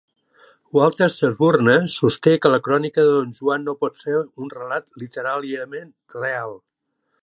Walter Shelburne sosté que la crònica de Don Juan no pot ser un relat literàriament real.